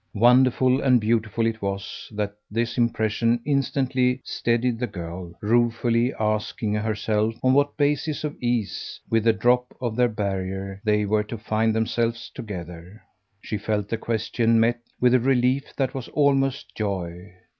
Wonderful and beautiful it was that this impression instantly steadied the girl. Ruefully asking herself on what basis of ease, with the drop of their barrier, they were to find themselves together, she felt the question met with a relief that was almost joy.